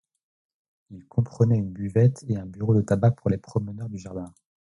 Il comprenait une buvette et un bureau de tabac pour les promeneurs du jardin.